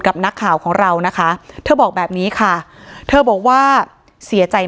นักข่าวของเรานะคะเธอบอกแบบนี้ค่ะเธอบอกว่าเสียใจ